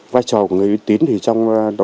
vai trò của người uy tín